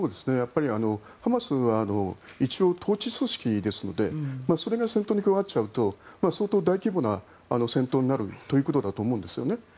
ハマスは一応、統治組織ですのでそれが戦闘に加わっちゃうと相当大規模な戦闘になるということだと思うんですよね。